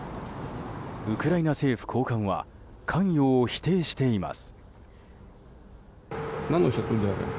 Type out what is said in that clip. ウクライナ政府高官は関与を否定しています。